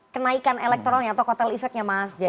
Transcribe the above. kenaikan elektronik atau kotel efeknya mas j